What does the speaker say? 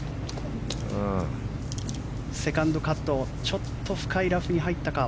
セカンドカットちょっと深いラフに入ったか。